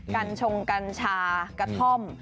กัญชงกัญชากระท่อม